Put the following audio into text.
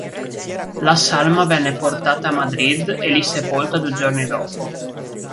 La salma venne portata a Madrid e lì sepolta due giorni dopo.